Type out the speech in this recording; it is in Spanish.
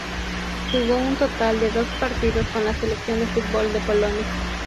Jugó un total de dos partidos con la selección de fútbol de Polonia.